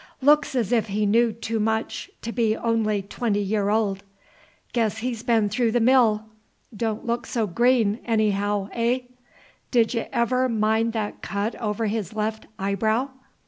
"Looks as if he knew too much to be only twenty year old." "Guess he's been through the mill, don't look so green, anyhow, hey? Did y' ever mind that cut over his left eyebrow?"